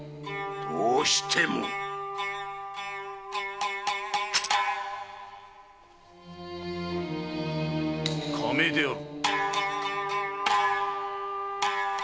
どうしても⁉下命である！